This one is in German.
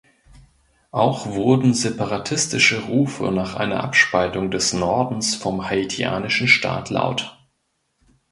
Auch wurden separatistische Rufe nach einer Abspaltung des Nordens vom haitianischen Staat laut.